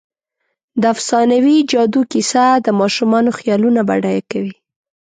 د افسانوي جادو کیسه د ماشومانو خیالونه بډایه کوي.